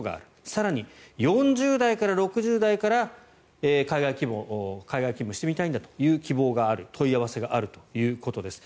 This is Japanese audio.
更に、４０代から６０代から海外勤務してみたいんだという希望がある、問い合わせがあるということです。